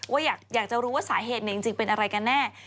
ว่าอยากจะรู้ว่าสาเหตุจริงเป็นอะไรกันแน่